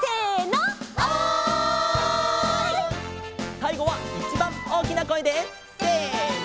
さいごはいちばんおおきなこえでせの！